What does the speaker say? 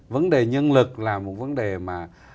vấn đề nhân lực là một vấn đề mà